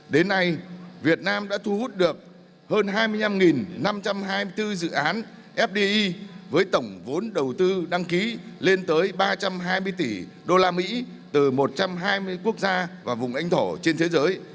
đến nay việt nam đã thu hút được hơn hai mươi năm năm trăm hai mươi bốn dự án fdi với tổng vốn đầu tư đăng ký lên tới ba trăm hai mươi tỷ usd từ một trăm hai mươi quốc gia và vùng lãnh thổ trên thế giới